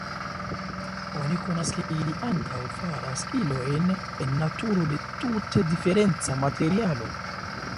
Oni konas, ke ili ankaŭ faras ilojn en naturo de tute diferenca materialo.